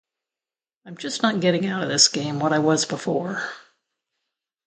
I'm just not getting out of this game what I was before.